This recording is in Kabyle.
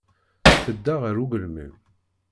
Tedda ɣer ugelmim.